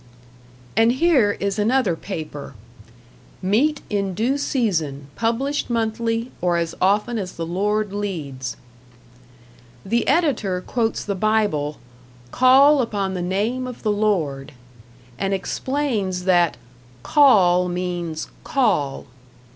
And here is another paper. "Meat in Due Season: published monthly, or as often as the Lord leads." The editor quotes the Bible, "Call upon the name of the Lord," and explains that "Call means #call#."